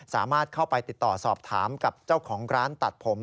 สามารถเข้าไปติดต่อสอบถามกับเจ้าของร้านตัดผม